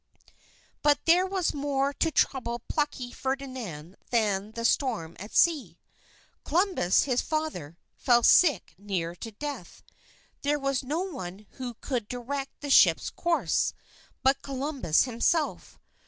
But there was more to trouble plucky Ferdinand than the storm at sea. Columbus, his father, fell sick near to death. There was no one who could direct the ships' course, but Columbus himself.